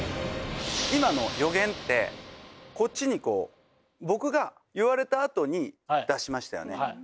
今の予言ってこっちに僕が言われたあとに出しましたよね。